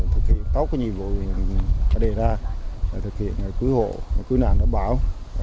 thực hiện tốt nhiệm vụ đề ra thực hiện cứu hộ cứu nạn đảm bảo